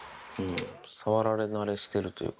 触られなれしてるというか。